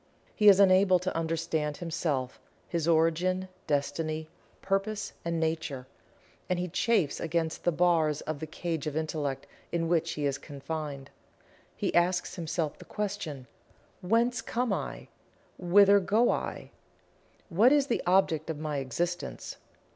He is unable to understand Himself his origin, destiny, purpose and nature and he chafes against the bars of the cage of Intellect in which he is confined. He asks himself the question, "Whence come I Whither go I What is the object of my Existence?"